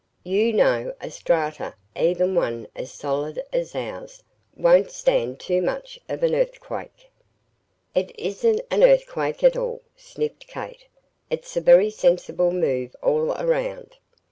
"You know a strata, even one as solid as ours, won't stand too much of an earthquake!" "It isn't an earthquake at all," sniffed Kate. "It's a very sensible move all around.